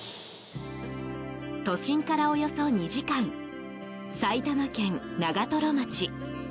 都心から、およそ２時間埼玉県長瀞町。